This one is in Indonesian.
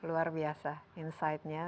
luar biasa insightnya